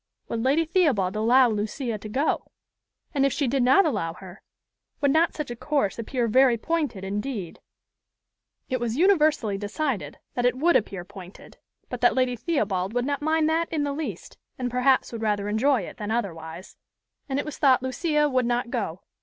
Would Lady Theobald allow Lucia to go? and, if she did not allow her, would not such a course appear very pointed indeed? It was universally decided that it would appear pointed, but that Lady Theobald would not mind that in the least, and perhaps would rather enjoy it than otherwise; and it was thought Lucia would not go.